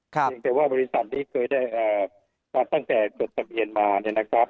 เพียงแต่ว่าบริษัทนี้เคยได้มาตั้งแต่จดทะเบียนมาเนี่ยนะครับ